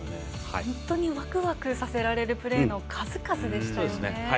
本当にワクワクさせられるプレーの数々でしたね。